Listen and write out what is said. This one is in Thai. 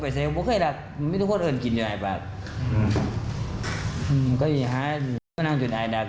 อืมก็อย่างนี้ห้าอยู่บ้านตรงนั้นจนอายดัก